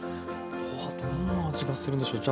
どんな味がするんでしょう？